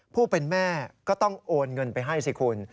ผู้เป็นแม่ก็ต้องโอนเงินไปให้สิคุณ